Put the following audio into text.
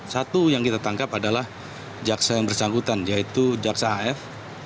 satu yang kita tangkap adalah jaksa yang bersangkutan yaitu jaksa af